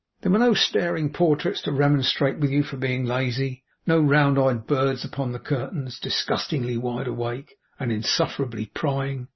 There were no staring portraits to remonstrate with you for being lazy; no round eyed birds upon the curtains, disgustingly wide awake, and insufferably prying.